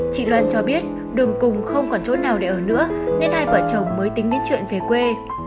chị loan cho biết đường cùng không còn chỗ nào để ở nữa nên hai vợ chồng mới tính đến chuyện về quê